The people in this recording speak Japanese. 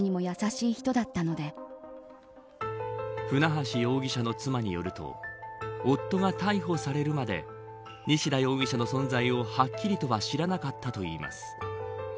船橋容疑者の妻によると夫が逮捕されるまで西田容疑者の存在をはっきりとは知らなかったといいます。